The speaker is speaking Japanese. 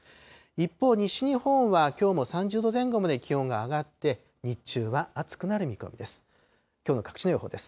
一方、西日本はきょうも３０度前後まで気温が上がって、日中は暑くなる見込みです。